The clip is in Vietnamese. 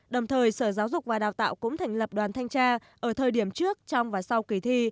đồng thời sở giáo dục và đào tạo cũng thành lập đoàn thanh tra ở thời điểm trước trong và sau kỳ thi